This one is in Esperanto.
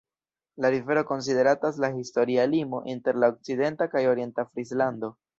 La rivero konsideratas la historia limo inter la okcidenta kaj orienta Frislando.